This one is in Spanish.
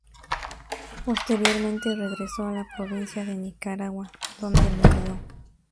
Posteriormente regresó a la provincia de Nicaragua, donde murió.